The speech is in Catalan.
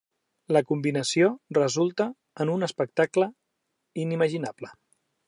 La combinació resulta en un espectacle inimaginable.